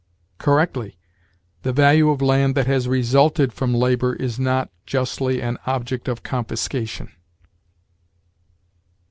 Correctly: "The value of land that has resulted from labor is not justly ... an object of confiscation."